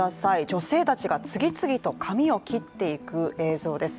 女性たちが次々と髪を切っていく映像です。